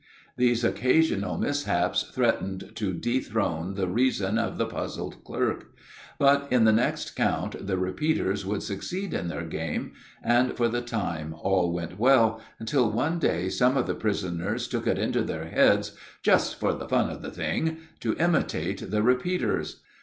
These occasional mishaps threatened to dethrone the reason of the puzzled clerk; but in the next count the "repeaters" would succeed in their game, and for the time all went well, until one day some of the prisoners took it into their heads, "just for the fun of the thing," to imitate the repeaters.